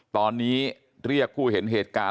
ตอนนี้เรียกผู้เห็นเหตุการณ์